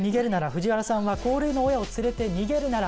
藤原さんは「高齢の親を連れて逃げるなら？」。